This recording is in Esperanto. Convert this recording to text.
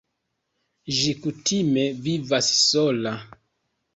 Ĝi kutime vivas sola.